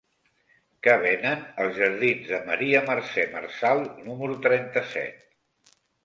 Què venen als jardins de Maria Mercè Marçal número trenta-set?